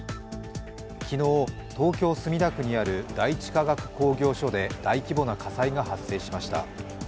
昨日、東京・墨田区にある第一化学工業所で大規模な火災が発生しました。